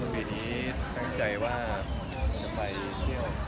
ปีนี้ตั้งใจว่าจะไปเที่ยว